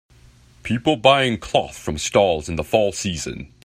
People buying cloth from stalls in the fall season.